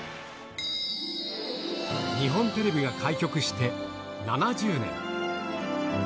日本テレビが開局して７０年。